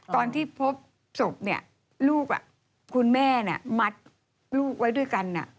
ตอนที่พบศพเนี่ยลูกคุณแม่มัดลูกไว้ด้วยกัน